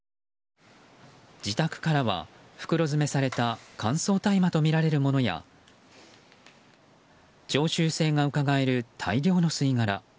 自宅からは、袋詰めされた乾燥大麻とみられるものや常習性がうかがえる大量の吸い殻